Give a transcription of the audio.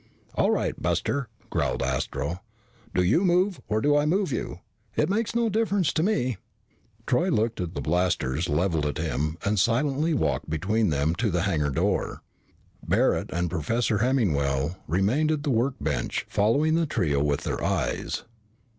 "All right, buster," growled Astro, "do you move or do I move you? It makes no difference to me." Troy took a look at the blasters leveled at him and silently walked between them to the hangar door. Barret and Professor Hemmingwell remained at the workbench, following the trio with their eyes.